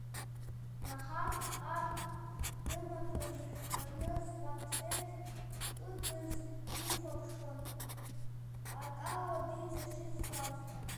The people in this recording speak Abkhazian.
Наҳар ар рымаҭәа зышәҵаны зпатреҭ кыдыз дихәаԥшуан, акала диҵашьыцуазшәа.